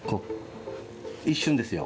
一瞬ですよ。